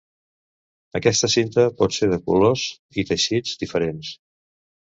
Aquesta cinta post ser de colors i teixits diferents.